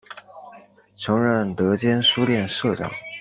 曾任德间书店社长。